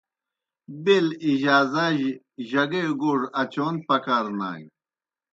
بیل اجازہ جیْ جگے گوڙ اچون پکار نانیْ۔